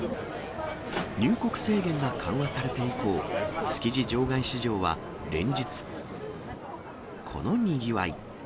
入国制限が緩和されて以降、築地場外市場は連日、このにぎわい。